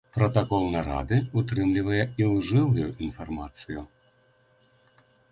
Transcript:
Пратакол нарады ўтрымлівае ілжывую інфармацыю.